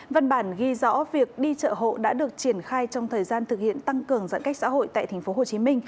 văn bản ghi rõ việc đi chợ hộ đã được triển khai trong thời gian thực hiện tăng cường giãn cách xã hội tại tp hcm